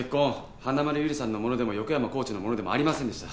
花村友梨さんのものでも横山コーチのものでもありませんでした。